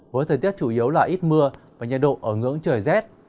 với thời tiết chủ yếu là ít mưa và nhiệt độ ở ngưỡng trời rét